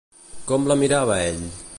Com la mirava ell?